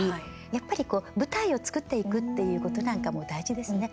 やっぱり舞台を作っていくっていうことなんかも大事ですね。